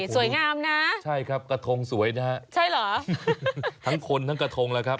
สวยงามนะใช่ครับกระทงสวยนะฮะใช่เหรอทั้งคนทั้งกระทงแล้วครับ